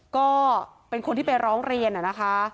ก็เป็นคนที่ไปร้องเรียนนะคะ